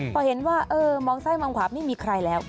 พอเห็นว่ามองใส้มังขวาบนี่มีใครแล้ว